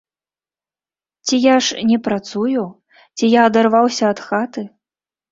Ці я ж не працую, ці я адарваўся ад хаты?